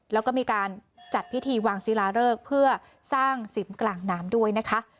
แล้วก็มีการจัดพิธีวางศิลาเริกเพื่อสร้างสิมกลางน้ำด้วยนะคะ